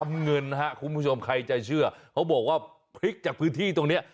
เงินฮะคุณผู้ชมใครจะเชื่อเขาบอกว่าพลิกจากพื้นที่ตรงนี้